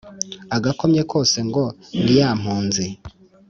agakomye kose ngo ni ya mpunzi!